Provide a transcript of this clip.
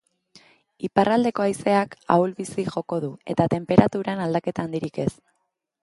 Iparraldeko haizeak ahul-bizi joko du eta tenperaturan aldaketa handirik ez.